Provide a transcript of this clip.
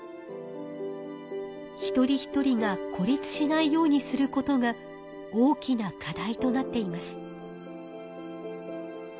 一人一人が孤立しないようにすることが大きな課題となっています。